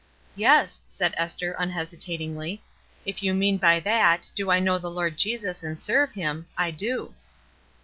"Yes," said Esther, unhesitatingly. "If you mean by that, do I know the Lord Jesus and serve Him? I do."